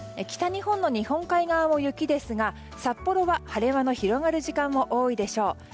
北日本の日本海側は雪ですが札幌は晴れ間の広がる時間が多いでしょう。